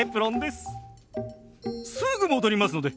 すぐ戻りますので。